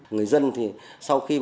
người dân thì sau khi bệnh